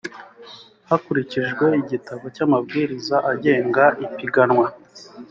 hakurikijwe igitabo cy’amabwiriza agenga ipiganwa